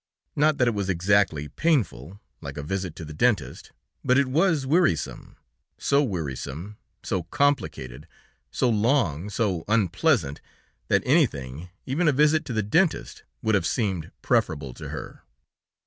Not that it was exactly painful, like a visit to the dentist, but it was wearisome, so wearisome, so complicated, so long, so unpleasant, that anything, even a visit to the dentist would have seemed preferable to her.